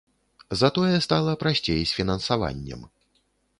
Затое стала прасцей з фінансаваннем.